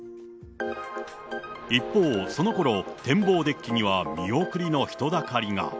一方、そのころ展望デッキには、見送りの人だかりが。